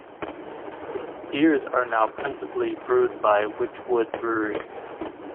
Its beers are now principally brewed by Wychwood Brewery.